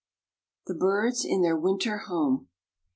THE BIRDS IN THEIR WINTER HOME.